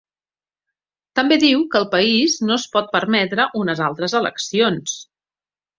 També diu que el país no es pot permetre unes altres eleccions.